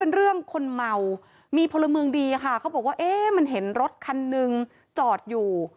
เรื่องคนเมามีพลเมืองดีค่ะเขาบอกว่าเอ๊ะมันเห็นรถคันหนึ่งจอดอยู่